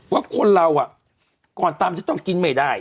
ว่าคนเราก่อนตำจะต้องกินไม่ได้